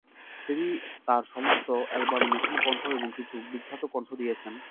তিনি তার সমস্ত অ্যালবামে নতুন কণ্ঠ এবং কিছু বিখ্যাত কণ্ঠ দিয়েছেন।